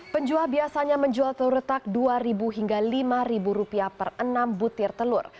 penjual biasanya menjual telur retak rp dua hingga rp lima per enam butir telur